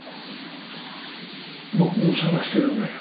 僕も探してるんだよ